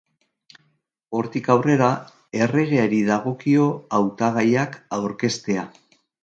Hortik aurrera, erregeari dagokio hautagaiak aurkeztea.